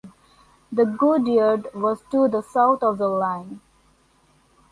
The goods yard was to the south of the line.